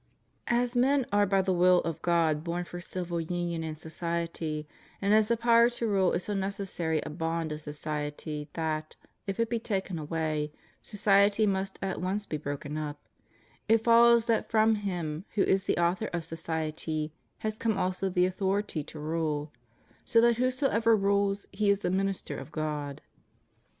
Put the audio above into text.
As men are by the will of God born for civil union and society, and as the power to rule is so necessary a bond of society that, if it be taken away, society must at once be broken up, it follows that from Him who is the Author of society has come also the authority to rule; so that whosoever rules, he is the minister of God.